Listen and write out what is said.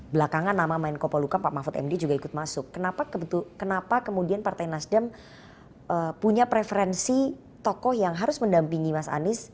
belakangan nama menko poluka pak mahfud md juga ikut masuk kenapa kemudian partai nasdem punya preferensi tokoh yang harus mendampingi mas anies